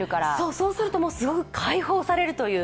そうするとすごく解放されるという。